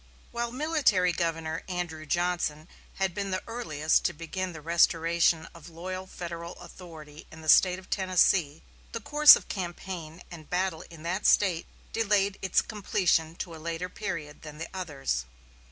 While Military Governor Andrew Johnson had been the earliest to begin the restoration of loyal Federal authority in the State of Tennessee, the course of campaign and battle in that State delayed its completion to a later period than in the others.